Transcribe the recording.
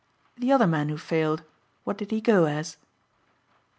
"The other man who failed what did he go as?"